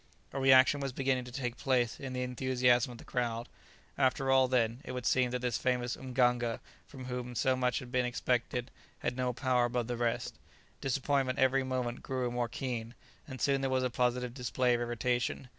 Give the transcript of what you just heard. A reaction was beginning to take place in the enthusiasm of the crowd. After all, then, it would seem that this famous mganga from whom so much had been expected, had no power above the rest. Disappointment every moment grew more keen, and soon there was a positive display of irritation.